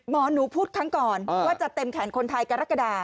หมอหนูพูดครั้งก่อนว่าจะเต็มแขนคนไทยกรกฎา